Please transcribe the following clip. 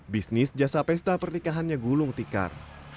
bisnis jasa pesta pernikahannya gulung tikar